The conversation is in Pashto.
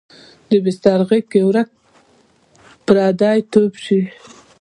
د بستر غیږ کې ورک پردی توب شي